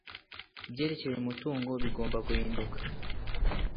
ibyerekeye umutungo bigomba guhinduka